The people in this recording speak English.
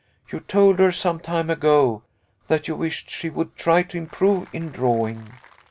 You told her, some time ago, that you wished she would try to improve in drawing.